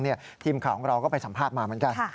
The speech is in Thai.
ทีมข่าวของเราก็ไปสัมภาษณ์มาเหมือนกัน